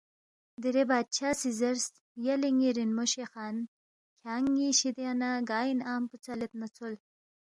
دیرے بادشاہ سی زیرس، یلے ن٘ی رِنموشے خان کھیان٘ی ن٘ی شِدیا نہ گا انعام پو ژَلید نہ ژول